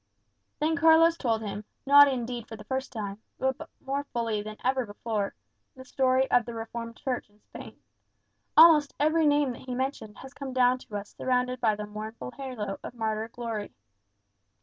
Then Carlos told him, not indeed for the first time, but more fully than ever before, the story of the Reformed Church in Spain. Almost every name that he mentioned has come down to us surrounded by the mournful halo of martyr glory.